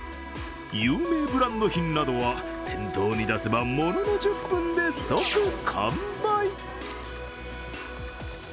有名ブランド品などは店頭に出せばものの１０分で即完売。